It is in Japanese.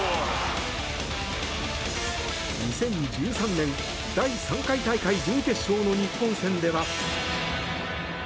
２０１３年、第３回大会準決勝の日本戦では。